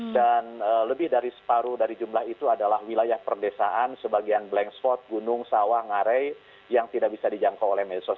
dan lebih dari separuh dari jumlah itu adalah wilayah perdesaan sebagian blank spot gunung sawah ngare yang tidak bisa dijangkau oleh mesos